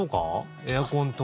エアコンとか？